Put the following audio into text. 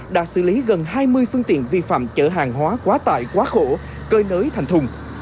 đã xử lý gần hai mươi phương tiện vi phạm chở hàng hóa quá tải quá khổ cơi nới thành thùng